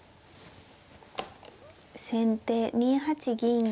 先手２八銀。